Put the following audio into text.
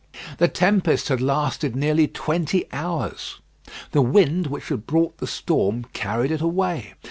The tempest had lasted nearly twenty hours. The wind which had brought the storm carried it away.